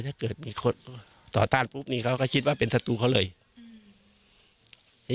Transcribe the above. ถ้าเกิดมีคนต่อต้านปุ๊บนี่เขาก็คิดว่าเป็นศัตรูเขาเลยอืม